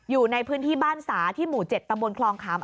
อยู่ในพื้นที่บ้านสาที่หมู่๗ตำบลคลองขาม